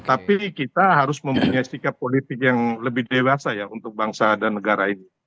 tapi kita harus mempunyai sikap politik yang lebih dewasa ya untuk bangsa dan negara ini